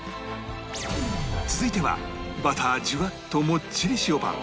続いてはバターじゅわっともっちり塩パン